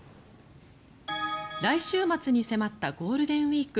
来週末に迫ったゴールデンウィーク。